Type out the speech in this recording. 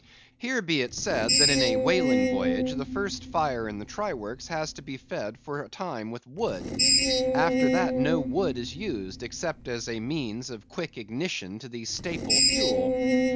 Here be it said that in a whaling voyage the first fire in the try works has to be fed for a time with wood. After that no wood is used, except as a means of quick ignition to the staple fuel.